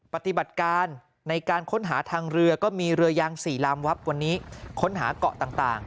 ปฏิบัติการในการค้นหาทางเรือก็มีเรือยาง๔ลำวับวันนี้ค้นหาเกาะต่าง